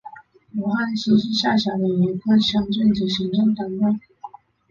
罗溪镇是下辖的一个乡镇级行政单位。